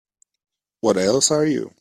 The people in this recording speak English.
What else are you?